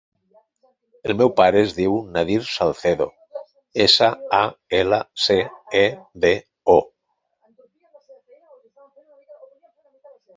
El meu pare es diu Nadir Salcedo: essa, a, ela, ce, e, de, o.